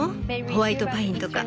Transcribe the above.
ホワイトパインとか。